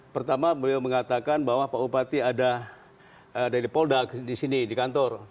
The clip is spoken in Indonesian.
pertama beliau mengatakan bahwa pak bupati ada dari polda di sini di kantor